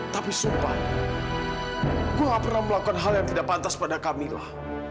tapi sumpah gue gak pernah melakukan hal yang tidak pantas pada kamilah